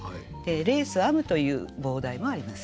「レース編む」という傍題もあります。